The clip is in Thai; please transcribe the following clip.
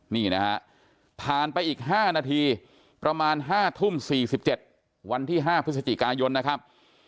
นี่นะฮะผ่านไปอีก๕นาทีประมาณ๕ทุ่ม๔๗วันที่๕พฤศจิกายนนะครับ